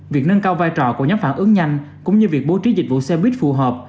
việc nâng cao vai trò của nhóm phản ứng nhanh cũng như việc bố trí dịch vụ xe buýt phù hợp